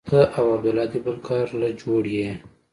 ته او عبدالهادي بل کار له جوړ يې.